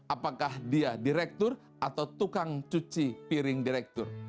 apakah dia direktur atau tukang cuci piring direktur